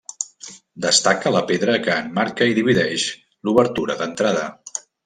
Destaca la pedra que emmarca i divideix l'obertura d'entrada.